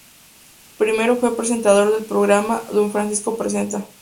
Primero fue presentador del programa "Don Francisco Presenta".